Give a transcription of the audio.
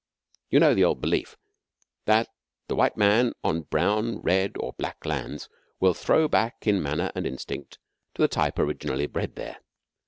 You know the old belief that the white man on brown, red, or black lands, will throw back in manner and instinct to the type originally bred there?